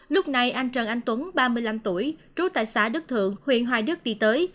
lúc này anh trần anh tuấn ba mươi năm tuổi trú tại xã đức thượng huyện hoài đức đi tới